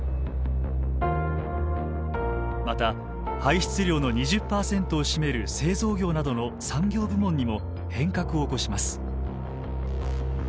また排出量の２０％を占める製造業などの産業部門にも変革を起こします。